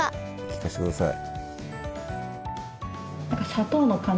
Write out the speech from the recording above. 聞かせてください。